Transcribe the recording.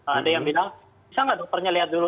ada yang bilang bisa nggak dokternya lihat dulu